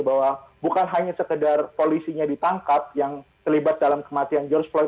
bahwa bukan hanya sekedar polisinya ditangkap yang terlibat dalam kematian george floyd